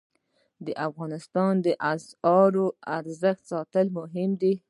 د افغانۍ اسعارو ارزښت ساتل مهم دي